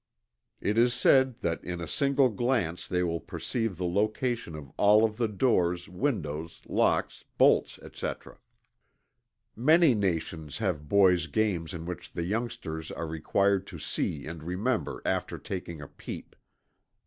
It is said that in a single glance they will perceive the location of all of the doors, windows, locks, bolts, etc. Many nations have boys' games in which the youngsters are required to see and remember after taking a peep.